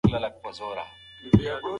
اخلاقي فساد هر حکومت راپرځوي.